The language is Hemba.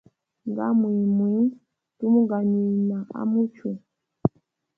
Nga mwiimwii, tumu ganywina a muchwe.